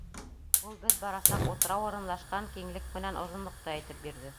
Ул беҙ барасаҡ утрау урынлашҡан киңлек менән оҙонлоҡто әйтеп бирҙе.